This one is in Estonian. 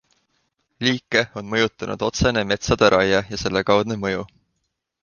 Liike on mõjutanud otsene metsade raie ja selle kaudne mõju.